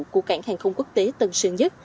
của cảng hàng không quốc tế tân sơn nhất